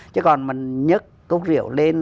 chứ còn mà nhấc cốc rượu lên